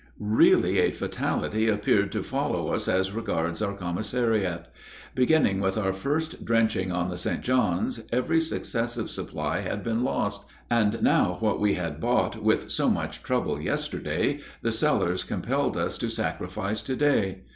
Really a fatality appeared to follow us as regards our commissariat. Beginning with our first drenching on the St. John's, every successive supply had been lost, and now what we had bought with so much trouble yesterday, the sellers compelled us to sacrifice to day.